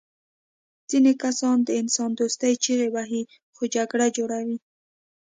ځینې کسان د انسان دوستۍ چیغې وهي خو جګړه جوړوي